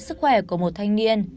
sức khỏe của một thanh niên